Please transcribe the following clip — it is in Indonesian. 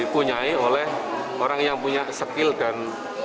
dipunyai oleh orang yang punya skill dan